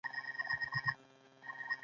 ایتیوپیایي متل وایي ډېره پوهه کمې خبرې کوي.